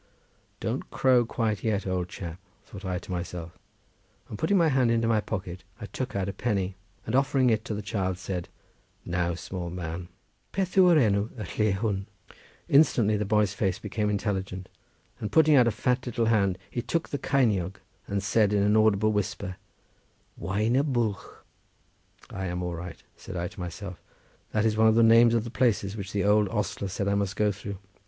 "Don't crow quite yet, old chap," thought I to myself, and putting my hand into my pocket, I took out a penny; and offering it to the child, said, "Now, small man, Peth wy y enw y lle hwn?" Instantly the boy's face became intelligent, and putting out the fat little hand, he took the ceiniog, and said in an audible whisper, "Waen y Bwlch." "I am all right," said I to myself, "that is one of the names of the places which the old ostler said I must go through."